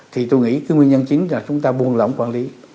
thì tôi nghĩ cái nguyên nhân chính là chúng ta buông lỏng quản lý